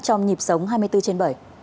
trong dịp sống hai mươi bốn trên bảy